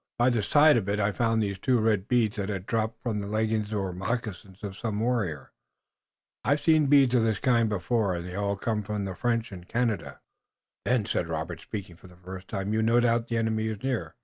By the side of it I found these two red beads that had dropped from the leggings or moccasins of some warrior. I've seen beads of this kind before, and they all come from the French in Canada." "Then," said Robert, speaking for the first time, "you've no doubt the enemy is near?"